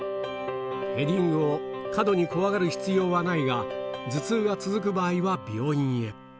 ヘディングを過度に怖がる必要はないが、頭痛が続く場合は病院へ。